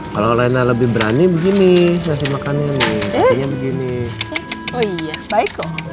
kalau lebih berani begini makanya begini